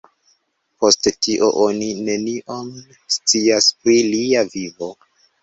Post tio, oni nenion scias pri lia vivo.